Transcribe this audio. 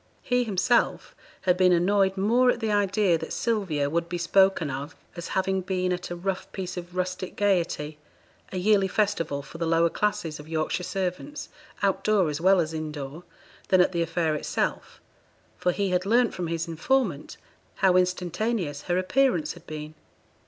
He himself had been annoyed more at the idea that Sylvia would be spoken of as having been at a rough piece of rustic gaiety a yearly festival for the lower classes of Yorkshire servants, out door as well as in door than at the affair itself, for he had learnt from his informant how instantaneous her appearance had been.